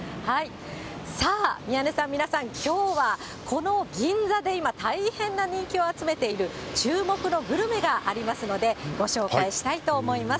さあ、宮根さん、皆さん、きょうはこの銀座で今、大変な人気を集めている注目のグルメがありますので、ご紹介したいと思います。